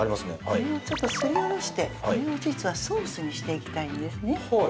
これをちょっとすりおろしてこれを実はソースにしていきたいんですね